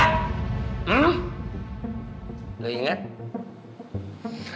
ketika di rumah